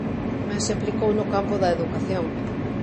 Tamén se aplicou no campo da educación.